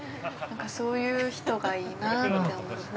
そういう人がいいなって思う。